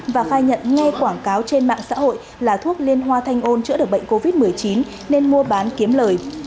và khai nhận nghe quảng cáo trên mạng xã hội là thuốc liên hoa thanh ôn chữa được bệnh covid một mươi chín nên mua bán kiếm lời